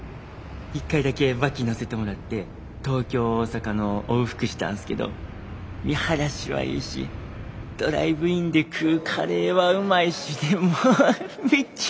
一回だけ脇乗せてもらって東京大阪の往復したんすけど見晴らしはいいしドライブインで食うカレーはうまいしでもうめっちゃ楽しくて。